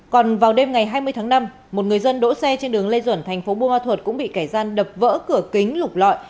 còn vào đêm ngày hai mươi tháng năm một người dân đỗ xe trên đường lê duẩn thành phố buôn ma thuột cũng bị kẻ gian đập vỡ cửa kính lục lọi